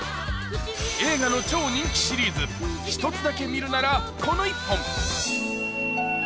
映画の超人気シリーズ、１つだけ見るならこの１本！